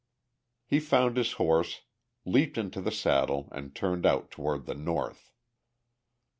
He found his horse, leaped into the saddle and turned out toward the north.